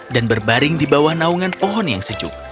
dan berbaring di bawah naungan pohon yang sejuk